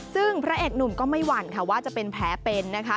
ซึ่งพระเอกหนุ่มก็ไม่หวั่นค่ะว่าจะเป็นแผลเป็นนะคะ